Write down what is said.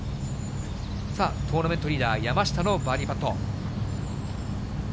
トーナメントリーダー、山下のバーディーパット。